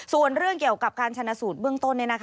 ส่วนเรื่องเกี่ยวกับการชนะสูตรเบื้องต้น